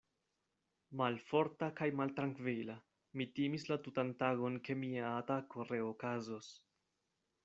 Malforta kaj maltrankvila, mi timis la tutan tagon, ke mia atako reokazos.